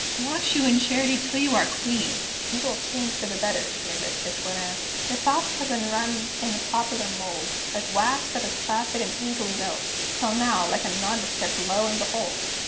wash you in Charity till you are clean; You will change for the better, dear Mistress Glenare. Your thoughts have been run in the popular mould, Like wax that is plastic and easily melts; Till now, like a nondescript, lo, and behold!